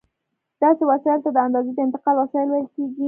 داسې وسایلو ته د اندازې د انتقال وسایل ویل کېږي.